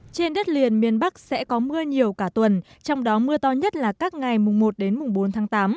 trên đất liền miền bắc sẽ có mưa nhiều cả tuần trong đó mưa to nhất là các ngày mùng một đến mùng bốn tháng tám